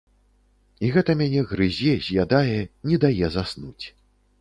І гэта мяне грызе, з'ядае, не дае заснуць.